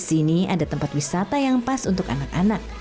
di sini ada tempat wisata yang pas untuk anak anak